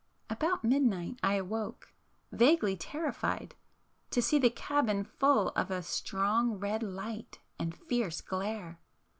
About midnight I awoke, vaguely terrified, to see the cabin full of a strong red light and fierce glare.